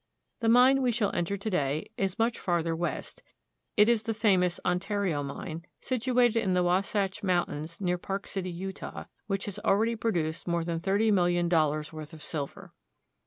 The mine we shall enter to day is much farther west. It is the famous Ontario Mine, situated in the Wasatch Mountains, near Park City, Utah, which has already pro duced more than thirty million dollars' worth of silver.